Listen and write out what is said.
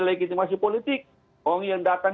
legitimasi politik uang yang datang